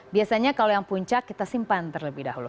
biasanya kalau yang puncak kita simpan terlebih dahulu